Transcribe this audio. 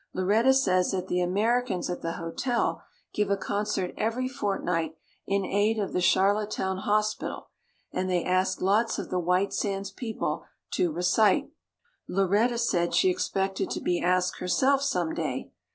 Lauretta says that the Americans at the hotel give a concert every fortnight in aid of the Charlottetown hospital, and they ask lots of the White Sands people to recite. Lauretta said she expected to be asked herself someday.